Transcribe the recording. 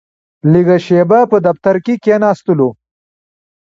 لږه شېبه په دفتر کې کښېناستلو.